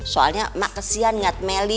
soalnya emak kesian ngeliat meli